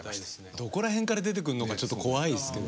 どこら辺から出てくんのかちょっと怖いっすけど。